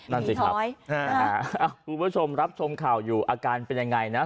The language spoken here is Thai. นั่นสิครับคุณผู้ชมรับชมข่าวอยู่อาการเป็นยังไงนะ